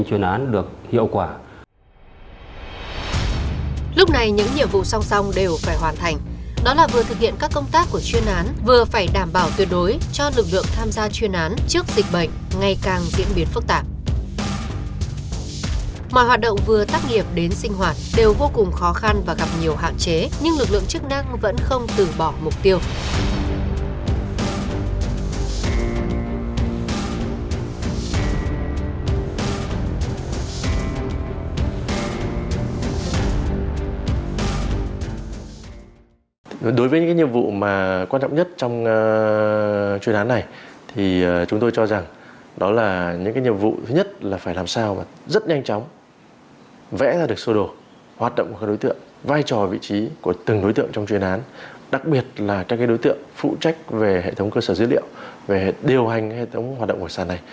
chúng tôi cho rằng đó là những nhiệm vụ thứ nhất là phải làm sao rất nhanh chóng vẽ ra được số đồ hoạt động của các đối tượng vai trò vị trí của từng đối tượng trong chuyên án đặc biệt là các đối tượng phụ trách về hệ thống cơ sở dữ liệu về điều hành hệ thống hoạt động của sản này